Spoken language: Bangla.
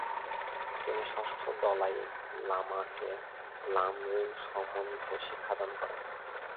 তিনি ষষ্ঠ দলাই লামাকে লাম-রিম সম্বন্ধে শিক্ষাদান করেন।